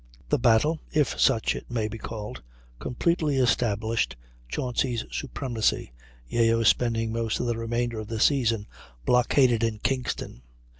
The battle, if such it may be called, completely established Chauncy's supremacy, Yeo spending most of the remainder of the season blockaded in Kingston.